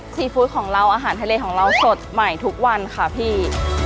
ซีฟู้ดของเราอาหารทะเลของเราสดใหม่ทุกวันค่ะพี่